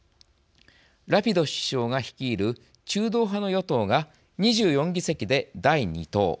ラピド首相が率いる中道派の与党が２４議席で第２党。